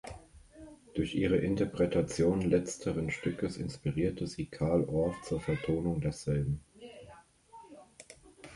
Durch ihre Interpretation letzteren Stückes inspirierte sie Carl Orff zur Vertonung desselben.